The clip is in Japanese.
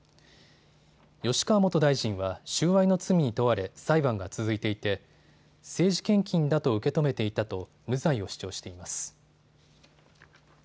吉川元大臣は収賄の罪に問われ裁判が続いていて政治献金だと受け止めていたと無罪を主張しています。